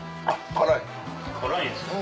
辛いですか？